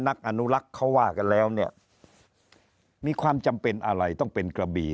นักอนุรักษ์เขาว่ากันแล้วเนี่ยมีความจำเป็นอะไรต้องเป็นกระบี่